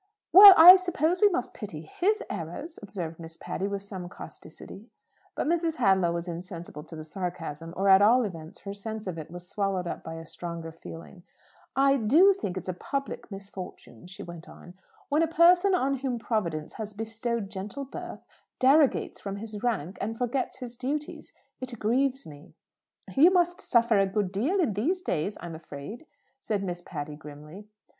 "Well, I suppose we must pity his errors," observed Miss Patty, with some causticity. But Mrs. Hadlow was insensible to the sarcasm; or, at all events, her sense of it was swallowed up by a stronger feeling. "I do think it's a public misfortune," she went on, "when a person on whom Providence has bestowed gentle birth derogates from his rank and forgets his duties. It grieves me." "You must suffer a good deal in these days, I'm afraid," said Miss Patty, grimly.